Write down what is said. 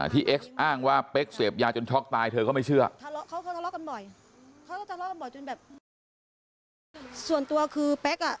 ที่เอ็กซอ้างว่าเป๊กเสียบยาจนช็อกตายเธอก็ไม่เชื่อ